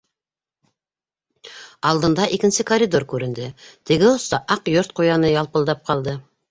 Алдында икенсе коридор күренде, теге оста Аҡ Йорт ҡуяны ялпылдап ҡалды.